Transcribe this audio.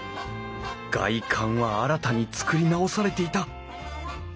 外観は新たに作り直されていた。